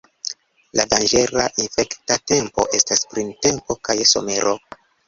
La danĝera infekta tempo estas printempo kaj somero.